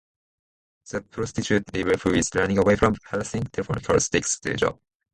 The prostitute Liva, who is running away from harassing telephone calls, takes the job.